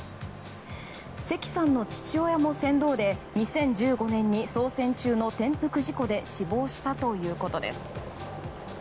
関さんの父親も船頭で２０１５年に操船中の転覆事故で死亡したということです。